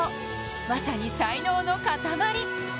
まさに才能の塊。